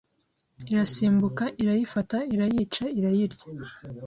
irasimbuka irayifata irayica irayirya